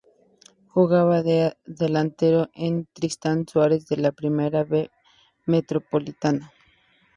Juega de delantero en Tristan Suarez de la Primera B Metropolitana.